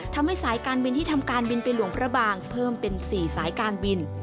ทำให้สายการบินที่ทำการบินไปหลวงพระบางเพิ่มเป็น๔สายการบิน